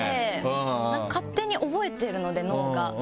勝手に覚えてるので脳が。